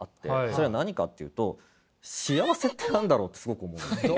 それは何かっていうと幸せって何だろうってすごく思うんですよ。